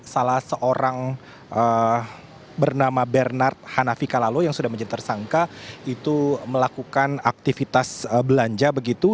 salah seorang bernama bernard hanafika lalu yang sudah menjadi tersangka itu melakukan aktivitas belanja begitu